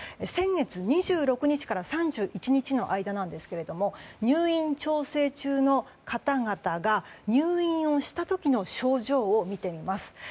先月２６日から３１日の間なんですけれども入院調整中の方々が入院をした時の症状を見てみます。